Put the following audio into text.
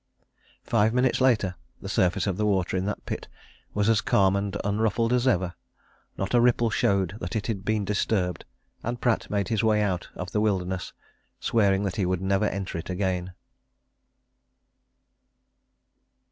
Five minutes later, the surface of the water in that pit was as calm and unruffled as ever not a ripple showed that it had been disturbed. And Pratt made his way out of the wilderness, swearing that he would never enter it again.